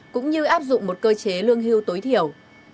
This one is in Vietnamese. cũng như áp dụng một cơ chế lương hưu tối thiểu